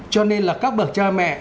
cho nên là các bậc cha mẹ